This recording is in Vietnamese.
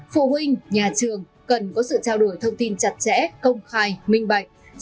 phụ huynh nhà trường cần có sự trao đổi thông tin chặt chẽ công khai minh bạch